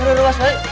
aduh ruas baik